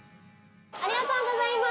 ありがとうございます。